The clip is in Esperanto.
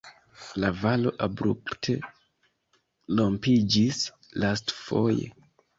La valo abrupte rompiĝis lastfoje.